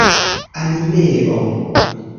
animeo